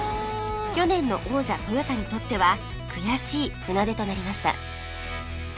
去年の王者トヨタにとっては悔しい船出となりました